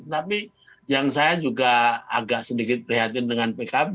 tapi yang saya juga agak sedikit prihatin dengan pkb